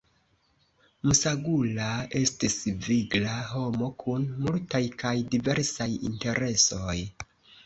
Msagula estis vigla homo kun multaj kaj diversaj interesoj.